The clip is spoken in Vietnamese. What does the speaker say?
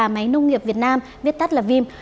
máy nông nghiệp việt nam viết tắt là vim